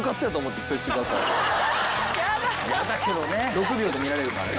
６秒で見られるからね。